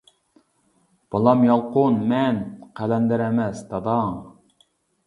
-بالام يالقۇن مەن، قەلەندەر ئەمەس، داداڭ.